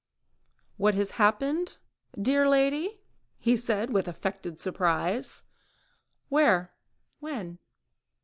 "What has happened, dear lady?" he said, with affected surprise. "Where? When?"